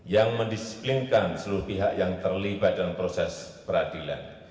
yang mendisiplinkan seluruh pihak yang terlibat dalam proses peradilan